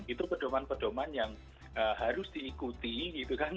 itu pedoman pedoman yang harus diikuti gitu kan